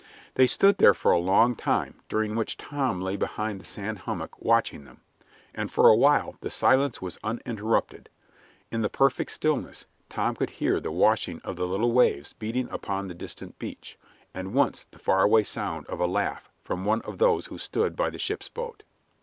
They stood there for a long time, during which Tom lay behind the sand hummock watching them, and for a while the silence was uninterrupted. In the perfect stillness Tom could hear the washing of the little waves beating upon the distant beach, and once the far away sound of a laugh from one of those who stood by the ship's boat.